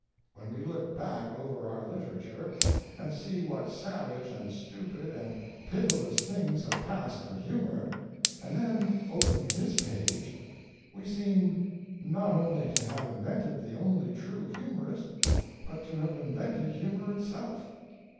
"When we look back over our literature, and see what savage and stupid and pitiless things have passed for humor, and then open his page, we seem not only to have invented the only true humorist, but to have invented humor itself.